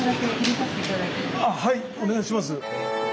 はいお願いします。